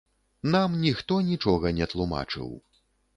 Нам ніхто нічога не тлумачыў.